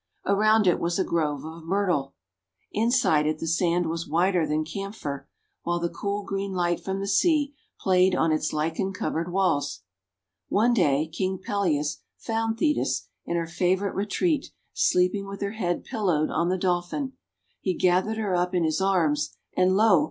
Around it was a grove of Myrtle. Inside it, the sand was whiter than camphor, 210 THE WONDER GARDEN while the cool green light from the sea played on its lichen covered walls. One day, King Peleus found Thetis, in her fa vourite retreat, sleeping with her head pillowed on the Dolphin. He gathered her up in his arms, and, lo!